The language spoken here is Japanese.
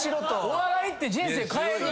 お笑いって人生変える。